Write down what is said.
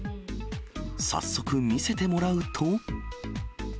早速、見せてもらうと。